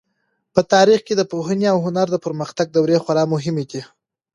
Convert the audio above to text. په تاریخ کې د پوهنې او هنر د پرمختګ دورې خورا مهمې دي.